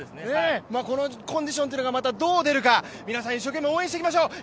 このコンディションというのがどう出るか皆さん、一生懸命応援していきましょう。